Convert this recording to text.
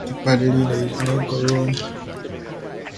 The party leader is Ali Golhor.